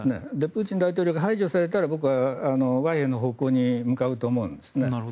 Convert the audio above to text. プーチン大統領が排除されたら僕は和平の方向に向かうと思うんです。